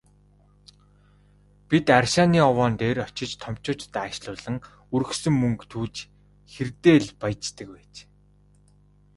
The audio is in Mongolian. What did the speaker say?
Бид рашааны овоон дээр очиж томчуудад аашлуулан, өргөсөн мөнгө түүж хэрдээ л «баяждаг» байж.